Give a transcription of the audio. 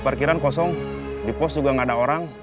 pekan kosong di pos juga gak ada orang